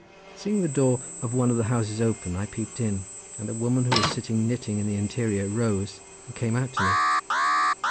Seeing the door of one of the houses open I peeped in, and a woman who was sitting knitting in the interior rose and came out to me.